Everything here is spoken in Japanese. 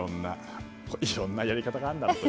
いろんなやり方があるなと。